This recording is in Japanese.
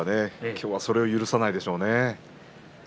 今日はそれを許さないでしょうね。